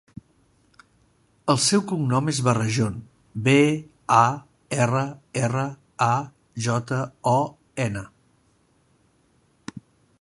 El seu cognom és Barrajon: be, a, erra, erra, a, jota, o, ena.